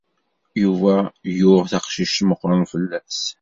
Yuba yuɣ tqcict meqqren fell-as.